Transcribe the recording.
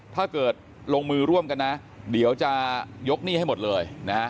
ถ้าเกิดลงมือร่วมกันนะเดี๋ยวจะยกหนี้ให้หมดเลยนะฮะ